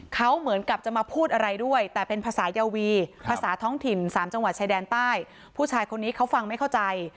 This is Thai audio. เขาเหมือนกับจะมาพูดอะไรด้วยแต่เป็นภาษายาวีภาษาท้องถิ่นสามจังหวัดชายแดนใต้ผู้ชายคนนี้เขาฟังไม่เข้าใจ